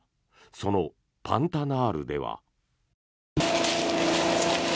そのパンタナールでは。